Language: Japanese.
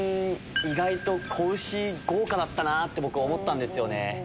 意外と仔牛豪華だったなって思ったんです。